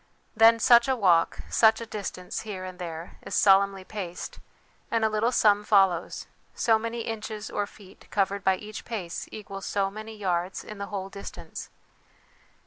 Then such a walk, such a distance, here and there, is solemnly paced, and a little sum follows so many inches or feet covered by each pace equals so many yards in the whole distance.